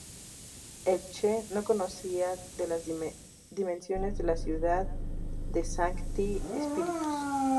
El Che no conocía de las dimensiones de la ciudad de Sancti Spíritus.